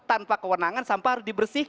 tanpa kewenangan tanpa kewenangan tanpa kewenangan